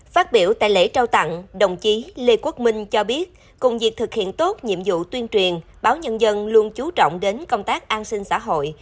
phát biểu tại lễ trao tặng đồng chí lê quốc minh cho biết cùng việc thực hiện tốt nhiệm vụ tuyên truyền báo nhân dân luôn chú trọng đến công tác an sinh xã hội